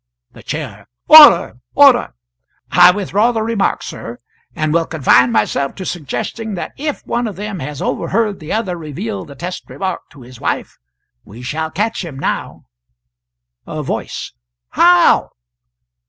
[The Chair. "Order! order!"] I withdraw the remark, sir, and will confine myself to suggesting that if one of them has overheard the other reveal the test remark to his wife, we shall catch him now." A Voice. "How?"